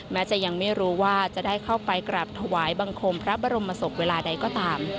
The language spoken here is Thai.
แม้จะยังไม่รู้ว่าจะได้เข้าไปกราบถวายบังคมพระบรมศพเวลาใดก็ตาม